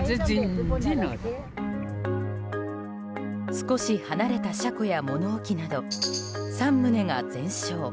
少し離れた車庫や物置など３棟が全焼。